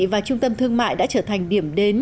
và trung tâm thương mại đã trở thành điểm đến